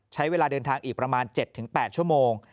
ใช้เวลาเดินทางอีกประมาณ๗๘ชั่วโมง